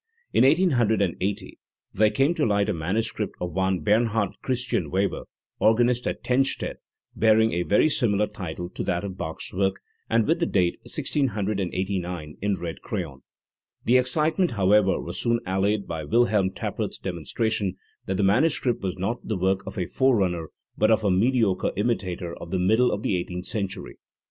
In 1880 there came to light a manuscript of one Bernhard Christian Weber, organist at Tennstedt, bearing a very similar title to that of Bach's work, and with the date "1689" in red crayon. The excitement, however, was soon allayed by WilhelrnTappert's demonstra tion that the manuscript was not the work of a forerunner but of a mediocre imitator of the middle of the eighteenth century.